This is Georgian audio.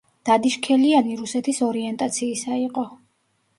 დადიშქელიანი რუსეთის ორიენტაციისა იყო.